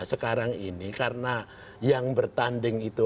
sekarang ini karena yang bertanding itu